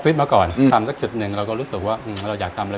เริ่มต้นออนทัวร้านแรกนะครับกับร้านเส้นหลากสิบครับ